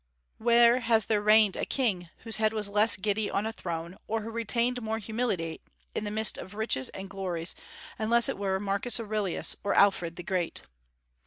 Where has there reigned a king whose head was less giddy on a throne, or who retained more humility in the midst of riches and glories, unless it were Marcus Aurelius or Alfred the Great?